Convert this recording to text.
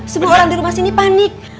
semua orang di rumah sini panik